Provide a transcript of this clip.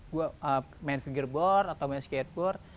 gue main figureboard atau main skateboard